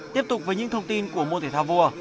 tiếp tục với những thông tin của môn thể thao vua